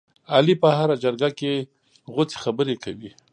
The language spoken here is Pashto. علي په هره جرګه کې غوڅې خبرې کوي.